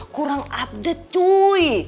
kurang update cuy